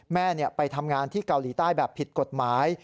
แม่ไปทำงานที่เกาหลีใต้แบบผิดกฎหมาย